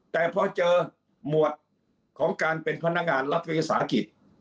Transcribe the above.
แต่พอเจอหมวดของการเป็นพนักงานรัฐวิสาหกิจ